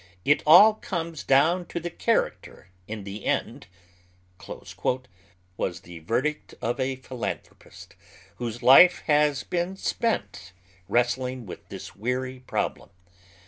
"It all comes down to character in the end," was the verdict of a philanthropist whose life has been spent wrestling with this weary problem.